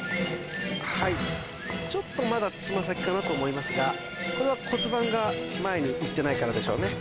はいちょっとまだつま先かなと思いますがこれは骨盤が前にいってないからでしょうね